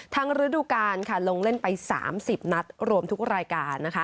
ทั้งฤดูกาลลงเล่นไป๓๐นัดรวมทุกรายการ